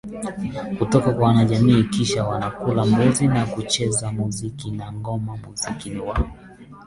kutoka kwa jamii Kisha wanakula mbuzi na wanacheza muzikiMuziki na ngoma Muziki wa